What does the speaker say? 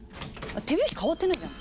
手拍子変わってないじゃん。